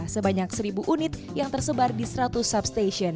sebanyak seribu unit yang tersebar di seratus substation